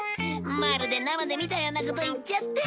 まるで生で見たようなこと言っちゃって。